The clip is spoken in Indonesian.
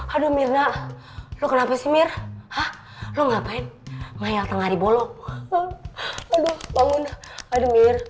aduh mirna lu kenapa sih mir lu ngapain ngayal tengah hari bolong aduh bangun aduh mir